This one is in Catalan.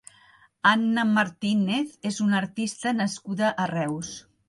Anna Martínez és una artista nascuda a Reus.